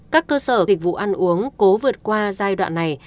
các cơ sở dịch vụ ăn uống cố vượt qua giai đoạn này